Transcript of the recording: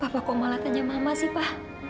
papa kok malah tanya mama sih pa